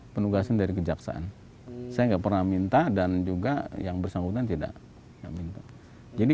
penugasan dari kejaksaan saya enggak pernah minta dan juga yang bersangkutan tidak minta jadi